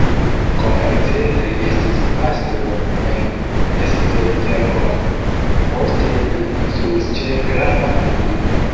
Komence li estis pastro en Esztergom, poste li instruis ĉe grafa familio.